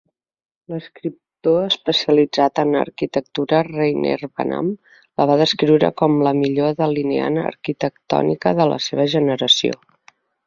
L'escriptor especialitzat en arquitectura Reyner Banham la va descriure com "la millor delineant arquitectònica de la seva generació".